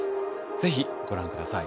是非ご覧ください。